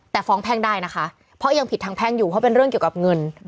แต่ฟ้องแพ่งได้นะคะเพราะยังผิดทางแพ่งอยู่เพราะเป็นเรื่องเกี่ยวกับเงิน